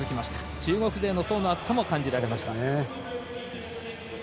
中国勢の層の厚さも感じられました。